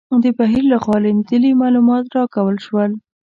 د بهیر لخوا لیدلي معلومات راکول شول.